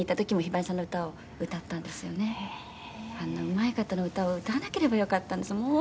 「あんなうまい方の歌を歌わなければよかったんです」